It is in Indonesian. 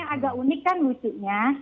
agak unik kan lucunya